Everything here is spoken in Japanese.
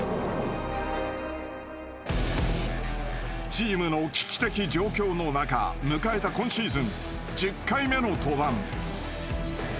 チームの危機的状況の中迎えた今シーズン１０回目の登板。